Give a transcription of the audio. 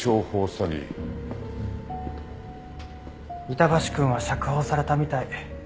板橋くんは釈放されたみたい。